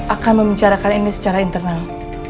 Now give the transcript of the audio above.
akan membicarakan ini secara internal